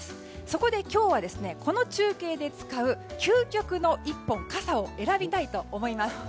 そこで今日はこの中継で使う究極の１本傘を選びたいと思います。